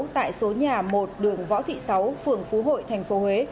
tại số nhà một đường võ thị sáu phường phú hội thành phố huế